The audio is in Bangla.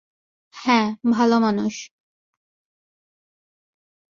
হ্যাঁ, ভালো মানুষ।